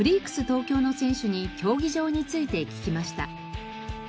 東京の選手に競技場について聞きました。